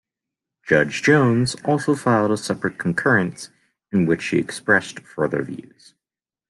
Judge Jones also filed a separate concurrence, in which she expressed further views.